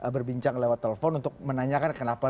berbincang lewat telepon untuk menanyakan kenapa